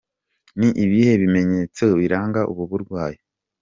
Ni ibihe bimenyetso biranga ubu burwayi? .